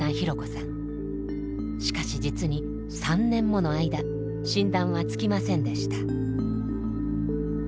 しかし実に３年もの間診断はつきませんでした。